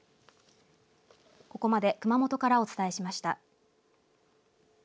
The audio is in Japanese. ここまで熊本からお伝えしました。